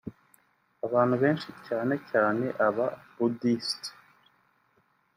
Abantu benshi cyane cyane aba Buddhist